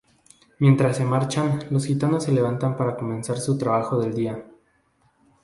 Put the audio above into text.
Mientras se marchan, los gitanos se levantan para comenzar su trabajo del día.